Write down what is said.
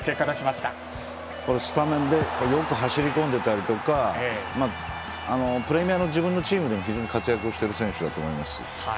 スタメンでよく走りこんでいたりとかプレミアの自分のチームでも非常に活躍している選手だと思います。